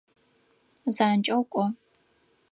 Занкӏэу кӏо!